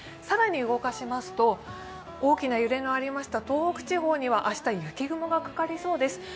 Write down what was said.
更に動かしますと、大きな揺れのありました東北地方には、明日雪雲がかかりそうです。